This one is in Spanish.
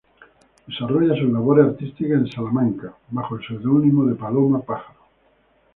Desarrolla sus labores artísticas en Salamanca bajo el seudónimo Paloma Pájaro.